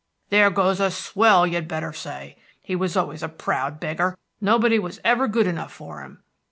"There goes a swell, you'd better say. He was always a proud beggar; nobody was ever good enough for him."